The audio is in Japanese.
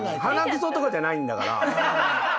鼻くそとかじゃないんだから。